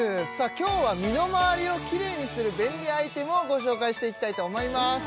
今日は身のまわりをキレイにする便利アイテムをご紹介していきたいと思います